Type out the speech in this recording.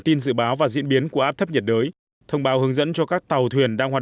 tin dự báo và diễn biến của áp thấp nhiệt đới thông báo hướng dẫn cho các tàu thuyền đang hoạt